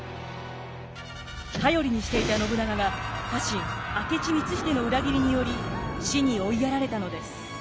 頼りにしていた信長が家臣明智光秀の裏切りにより死に追いやられたのです。